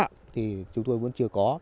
cố tình vi phạm thì chúng tôi vẫn chưa có